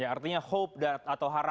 artinya harapan itu